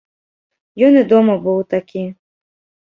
Ён і дома быў такі.